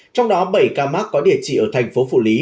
trong đó bảy ca mắc có địa chỉ ở tp phủ lý